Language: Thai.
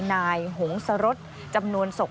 นายหงษ์สะรดจำนวนศก